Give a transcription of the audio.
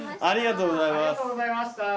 ありがとうございます。